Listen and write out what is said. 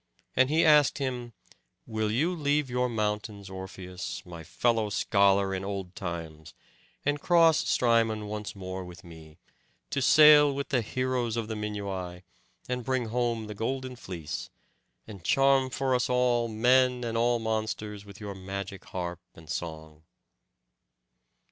And he asked him: "Will you leave your mountains, Orpheus, my fellow scholar in old times, and cross Strymon once more with me, to sail with the heroes of the Minuai, and bring home the golden fleece, and charm for us all men and all monsters with your magic harp and song?"